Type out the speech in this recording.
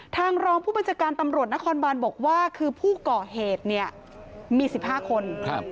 รองผู้บัญชาการตำรวจนครบานบอกว่าคือผู้ก่อเหตุเนี่ยมี๑๕คน